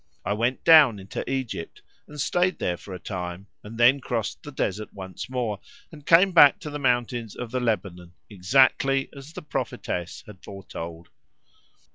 I went down into Egypt, and stayed there for a time, and then crossed the desert once more, and came back to the mountains of the Lebanon, exactly as the prophetess had foretold.